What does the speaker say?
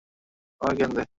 আমাকে জ্ঞান দেয়!